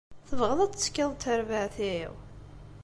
Tebɣiḍ ad tettekkiḍ d terbaɛt-iw?